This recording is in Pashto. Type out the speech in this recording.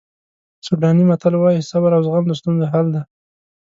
سوډاني متل وایي صبر او زغم د ستونزو حل دی.